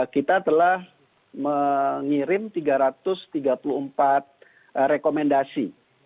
kita telah mengirim tiga ratus tiga puluh empat rekomendasi